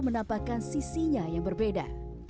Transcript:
dan sisinya yang berbeda